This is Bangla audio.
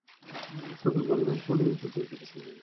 সকালে বললেন, খুনি খুঁজে পেতে সময় লাগবে।